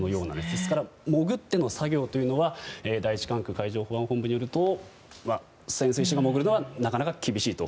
ですから潜っての作業は第１管区海上保安本部によると潜水士が潜るのはなかなか厳しいと。